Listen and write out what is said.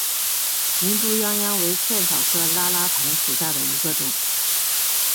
林猪殃殃为茜草科拉拉藤属下的一个种。